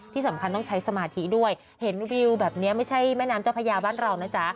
ที่สำคัญต้องใช้สมาธิด้วยเห็นวิวแบบนี้ไม่ใช่แม่น้ำเจ้าพญาบ้านเรานะจ๊ะ